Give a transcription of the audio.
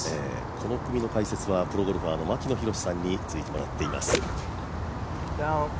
この組の解説はプロゴルファーの牧野裕さんについてもらっています。